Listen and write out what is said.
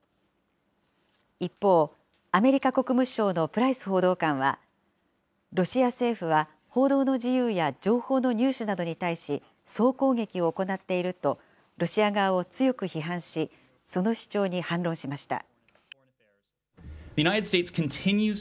一方、アメリカ国務省のプライス報道官は、ロシア政府は報道の自由や情報の入手などに対し総攻撃を行っていると、ロシア側を強く批判し、その主張に反論しました。